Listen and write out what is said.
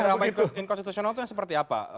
kenapa inkonstitusional itu seperti apa